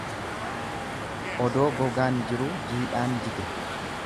Odoo gogaan jiruu jiidhaan jige.